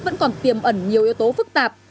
vẫn còn tiềm ẩn nhiều yếu tố phức tạp